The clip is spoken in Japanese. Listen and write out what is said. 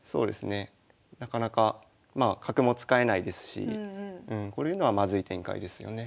なかなかまあ角も使えないですしこういうのはまずい展開ですよね。